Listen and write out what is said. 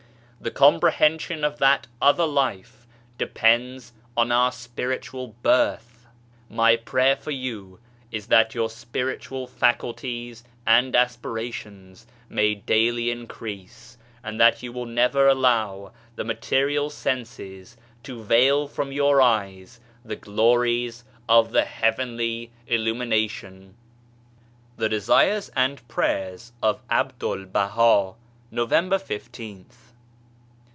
The Comprehension of that other life depends on our spiritual birth ! My prayer for you is that your Spiritual faculties and aspirations may daily increase, and that you will never allow the material senses to veil from your eyes the glories of the Heavenly Illumination. THE DESIfcES AND PRAYERS OF ABDUL BAHA November t$th.